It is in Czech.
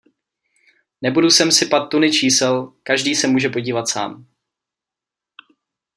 Nebudu sem sypat tuny čísel, každý se může podívat sám.